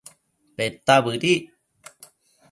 Peta bëdic